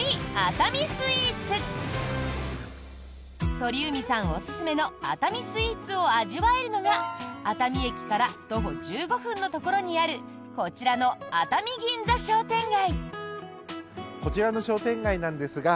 鳥海さんおすすめの熱海スイーツを味わえるのが熱海駅から徒歩１５分のところにあるこちらの熱海銀座商店街。